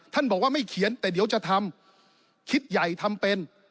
บอกว่าไม่เขียนแต่เดี๋ยวจะทำคิดใหญ่ทำเป็น